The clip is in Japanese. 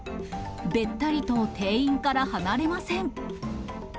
べったりと店員から離れません。